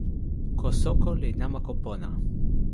ko soko li namako pona.